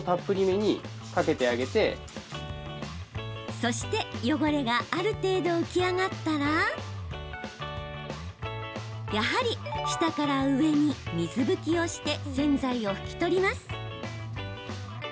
そして汚れがある程度、浮き上がったらやはり下から上に水拭きをして洗剤を拭き取ります。